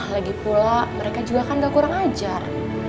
lagi pula mereka juga kan gak kurang ajar